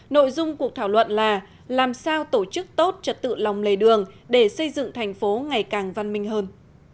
nội dung cuộc thảo luận là làm sao tổ chức tốt trật tự lòng lề đường để xây dựng thành phố ngày càng văn minh hơn